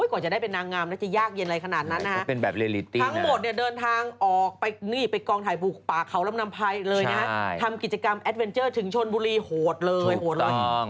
กว่าจะได้เป็นนางงามแล้วจะยากเย็นอะไรขนาดนั้นนะฮะทั้งหมดเนี่ยเดินทางออกไปนี่ไปกองถ่ายปลูกป่าเขาลำน้ำพายเลยนะฮะทำกิจกรรมแอดเวนเจอร์ถึงชนบุรีโหดเลยโหดเลย